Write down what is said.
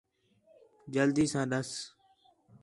جلدی ساں ݙَس